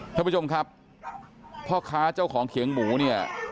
ท่านผู้ชมครับพ่อค้าเจ้าของเขียงหมูเนี่ย